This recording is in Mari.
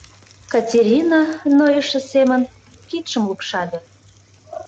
Катерина, нойышо семын, кидшым лупшале: